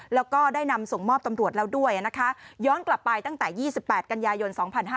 แล้วก็ได้นำส่งมอบตำรวจแล้วด้วยนะคะย้อนกลับไปตั้งแต่๒๘กันยายน๒๕๕๙